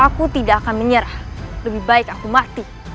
aku tidak akan menyerah lebih baik aku mati